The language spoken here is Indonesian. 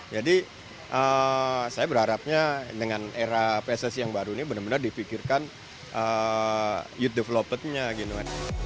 jadi saya berharapnya dengan era pssi yang baru ini bener bener dipikirkan youth development nya gitu kan